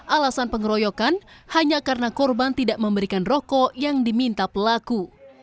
alasan pengeroyokan hanya karena korban tidak memberikan rokok yang diminta pelaku